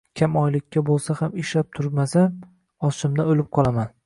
kam oylikka bo’lsa ham ishlab turmasam ochimdan o’lib qolaman